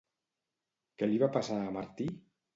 Què li va passar a Martí?